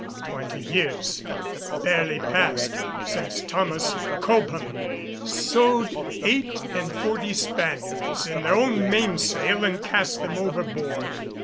Twenty years have barely passed since Thomas Cobham sewed eight and forty Spaniards in their own mainsail and cast them overboard.